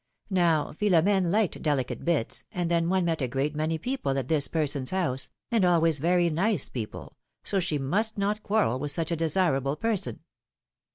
Now, Philom^ne liked delicate bits, and then one met a great many people at this person's house, and always very nice people, so she must not quarrel with such a desirable person.